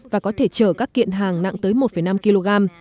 và có thể chở các kiện hàng nặng tới một năm kg